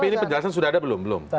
tapi ini penjelasan sudah ada belum belum